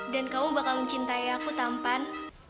dan kamu bakal mencintai aku tampan